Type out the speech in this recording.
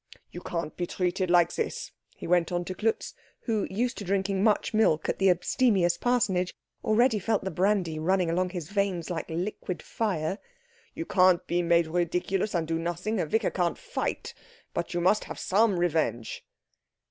"You can't be treated like this," he went on to Klutz, who, used to drinking much milk at the abstemious parsonage, already felt the brandy running along his veins like liquid fire, "you can't be made ridiculous and do nothing. A vicar can't fight, but you must have some revenge."